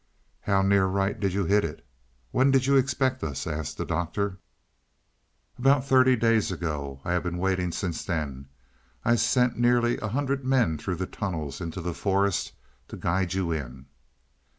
"How near right did you hit it? When did you expect us?" asked the Doctor. "About thirty days ago; I have been waiting since then. I sent nearly a hundred men through the tunnels into the forest to guide you in."